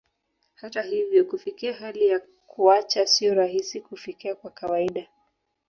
Hata hivyo, kufikia hali ya kuacha sio rahisi kufikia kwa kawaida.